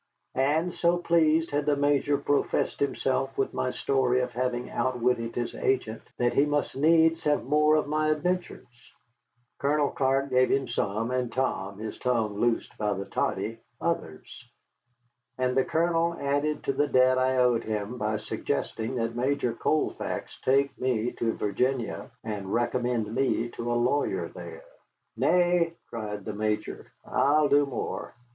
And so pleased had the Major professed himself with my story of having outwitted his agent, that he must needs have more of my adventures. Colonel Clark gave him some, and Tom, his tongue loosed by the toddy, others. And the Colonel added to the debt I owed him by suggesting that Major Colfax take me to Virginia and recommend me to a lawyer there. "Nay," cried the Major, "I will do more.